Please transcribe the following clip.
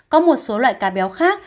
có một số loại cá béo khác